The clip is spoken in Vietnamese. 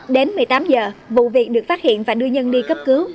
đến một mươi tám giờ vụ việc được phát hiện và đưa nhân đi cấp cứu